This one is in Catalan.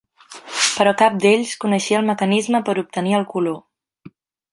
Però cap d'ells coneixia el mecanisme per obtenir el color.